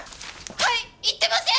はい言ってません！